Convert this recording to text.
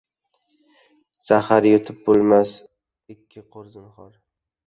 Zahar yutib bo‘lmas ikki qur zinhor.